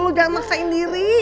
lo jangan maksain diri